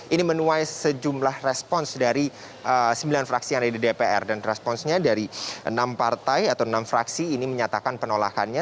ini menuai sejumlah respons dari sembilan fraksi yang ada di dpr dan responsnya dari enam partai atau enam fraksi ini menyatakan penolakannya